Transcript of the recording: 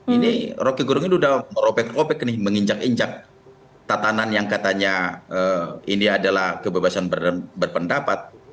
ini roky gerung ini udah meropek opek nih menginjak injak tatanan yang katanya ini adalah kebebasan berpendapat